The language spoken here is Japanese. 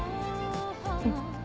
うん。